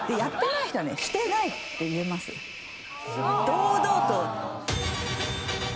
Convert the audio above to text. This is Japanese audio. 堂々と。